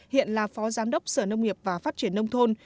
hiện là phó giám đốc sở nông nghiệp và phát triển nông thôn